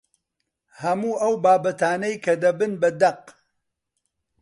هەموو ئەو بابەتانەی کە دەبن بە دەق